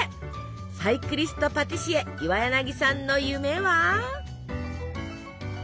サイクリストパティシエ岩柳さんの夢は？